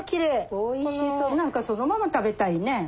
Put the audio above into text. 何かそのまま食べたいね。